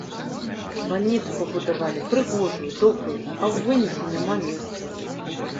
Бальніцу пабудавалі прыгожую, добрую, а ў выніку няма месцаў.